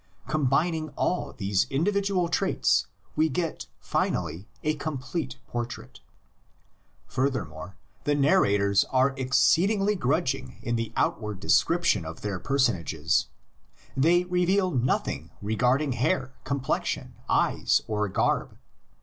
Combining all these indi vidual traits we get finally a complete portrait. Furthermore, the narrators are exceedingly grudg ing in the outward description of their personages: they reveal nothing regarding hair, complexion, eyes or garb.